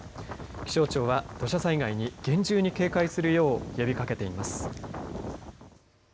気象庁は、土砂災害に厳重に警戒するよう呼びかけています。